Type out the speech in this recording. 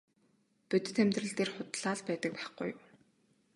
Бодит амьдрал дээр худлаа л байдаг байхгүй юу.